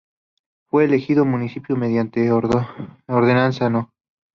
Fue erigido municipio mediante Ordenanza No.